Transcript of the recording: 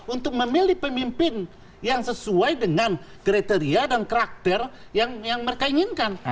untuk memilih pemimpin yang sesuai dengan kriteria dan karakter yang mereka inginkan